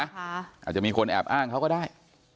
อาจจะมีคนแอบอ้างเขาก็ได้